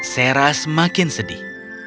sarah semakin sedih